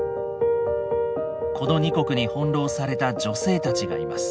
この二国に翻弄された女性たちがいます。